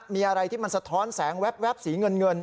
มีอะไรที่มันสะท้อนแสงแว๊บสีเงิน